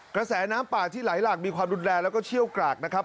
กระแสน้ำป่าที่ไหลหลากมีความรุนแรงแล้วก็เชี่ยวกรากนะครับ